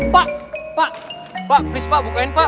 pak pak pak please pak bukain pak